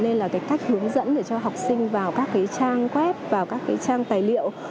nên là cái cách hướng dẫn để cho học sinh vào các trang web vào các trang tài liệu